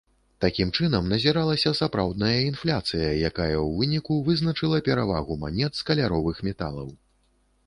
Такім чынам назіралася сапраўдная інфляцыя, якая ў выніку вызначыла перавагу манет з каляровых металаў.